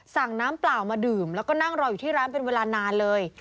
สั่งน้ำเปล่ามาดื่มแล้วก็นั่งรออยู่ที่ร้านเป็นเวลานานเลย